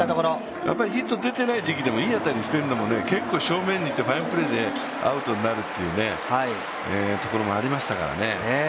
ヒット出ていない時期も、いい当たりしているときに結構正面にいってファインプレーでアウトになるというところもありましたからね。